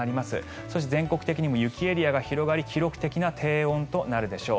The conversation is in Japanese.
そして全国的にも雪エリアが広がり記録的な低温となるでしょう。